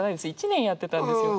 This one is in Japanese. １年やってたんですよ。